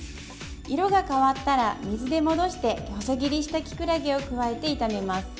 色が変わったら水で戻して細切りしたきくらげを加えて炒めます。